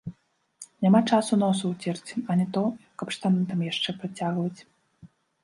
Няма часу носа ўцерці, а не то каб штаны там яшчэ падцягваць.